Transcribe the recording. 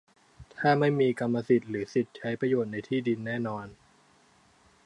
ถ้าไม่มีกรรมสิทธิ์หรือสิทธิ์ใช้ประโยชน์ในที่ดินที่แน่นอน